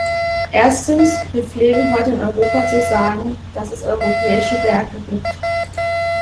Erstens, wir pflegen heute in Europa zu sagen, dass es europäische Werke gibt.